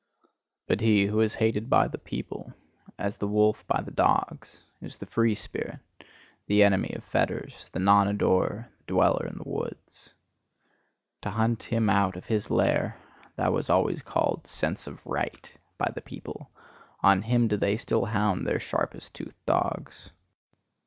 But he who is hated by the people, as the wolf by the dogs is the free spirit, the enemy of fetters, the non adorer, the dweller in the woods. To hunt him out of his lair that was always called "sense of right" by the people: on him do they still hound their sharpest toothed dogs.